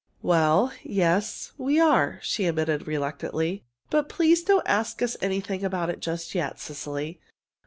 "Well, yes, we are," she admitted reluctantly. "But please don't ask us anything about it just yet, Cecily.